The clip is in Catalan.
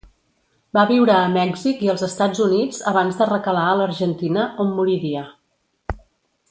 Va viure a Mèxic i als Estats Units abans de recalar a l'Argentina, on moriria.